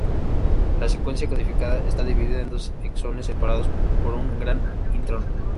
La secuencia codificante está dividida en dos exones, separados por un gran intrón.